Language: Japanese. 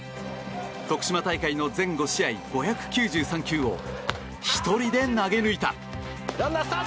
徳島大会の全５試合５９３球を１人で投げ抜いた！